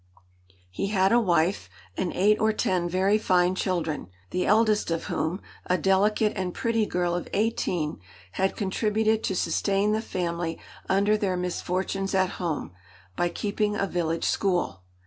He had a wife, and eight or ten very fine children, the eldest of whom, a delicate and pretty girl of eighteen, had contributed to sustain the family under their misfortunes at home, by keeping a village school.